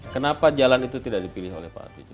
kenapa jalan itu tidak dipilih oleh pak artijo